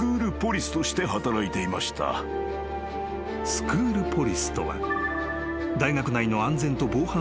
［スクールポリスとは］